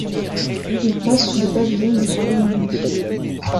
Il passe sous pavillon du Royaume-Uni.